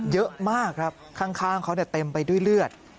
เยอะมากครับข้างเขาเต็มไปด้วยเลือด